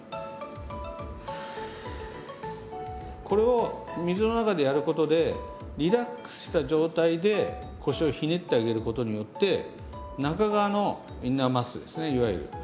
これを水の中でやることでリラックスした状態で腰をひねってあげることによって中側のインナーマッスルですねいわゆる。